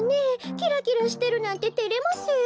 キラキラしてるなんててれますよ。